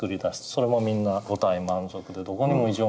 それもみんな五体満足でどこにも異常がないんです。